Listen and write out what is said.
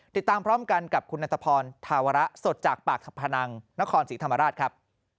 ติดตามพร้อมกันกับคุณนันตพรธาวระสดจากปากพนังนครศรีธรรมราชครับ